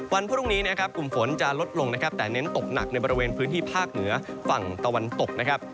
วันพรุ่งนี้นะครับกลุ่มฝนจะลดลงนะครับแต่เน้นตกหนักในบริเวณพื้นที่ภาคเหนือฝั่งตะวันตกนะครับ